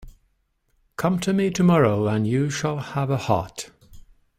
Come to me tomorrow and you shall have a heart.